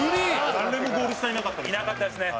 誰もゴール下いなかったですね。